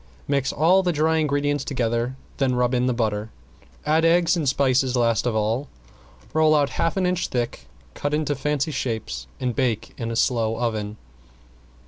Mix all the dry ingredients together, then rub in the butter, add eggs and spices last of all, roll out half an inch thick, cut in fancy shapes and bake in a slow oven.